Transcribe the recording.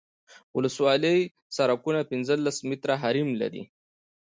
ولسوالي سرکونه پنځلس متره حریم لري